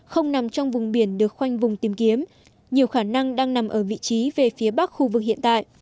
không nằm trong vùng biển được khoanh vùng tìm kiếm nhiều khả năng đang nằm ở vị trí về phía bắc khu vực hiện tại